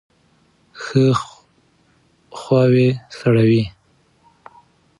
ښه خواوې سړوئ.